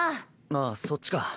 あっそっちか。